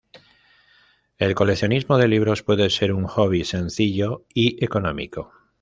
El coleccionismo de libros puede ser un hobby sencillo y económico.